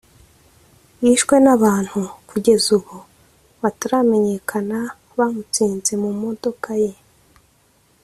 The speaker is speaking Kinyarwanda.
yishwe n’abantu kugeza ubu bataramenyekana bamutsinze mu modoka ye